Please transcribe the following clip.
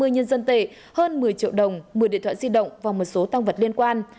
hai mươi nhân dân tệ hơn một mươi triệu đồng một mươi điện thoại di động và một số tăng vật liên quan